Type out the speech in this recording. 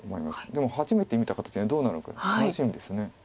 でも初めて見た形がどうなのか楽しみです。